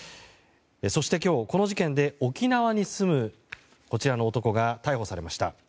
そして今日、この事件で沖縄に住むこちらの男が逮捕されました。